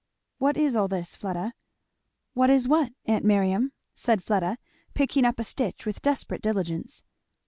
"What is all this, Fleda?" "What is what, aunt Miriam?" said Fleda, picking up a stitch with desperate diligence.